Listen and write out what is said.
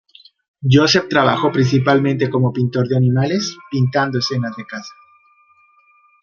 Joseph trabajó principalmente como pintor de animales, pintando escenas de caza.